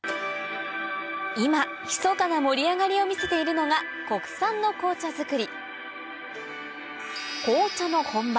今ひそかな盛り上がりを見せているのが国産の紅茶作り紅茶の本場